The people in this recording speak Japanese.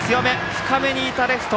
深めにいたレフト。